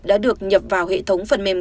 đã được nhập vào hệ thống phần mềm